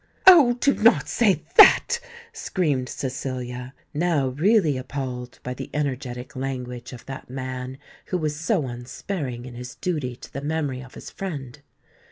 "Oh! do not say that," screamed Cecilia, now really appalled by the energetic language of that man who was so unsparing in his duty to the memory of his friend.